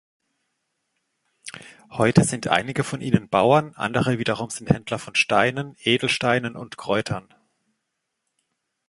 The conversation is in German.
Heute sind einige von ihnen Bauern, andere wiederum sind Händler von Steinen, Edelsteinen und Kräutern.